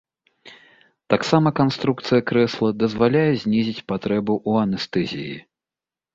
Таксама канструкцыя крэсла дазваляе знізіць патрэбу ў анестэзіі.